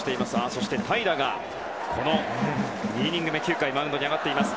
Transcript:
そして平良が２イニング目９回マウンドに上がっています。